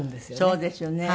そうですよね。